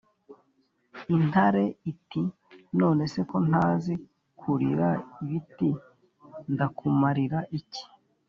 intare iti: “none se ko ntazi kurira ibiti ndakumarira iki?